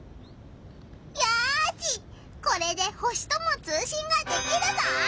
よしこれで星とも通しんができるぞ！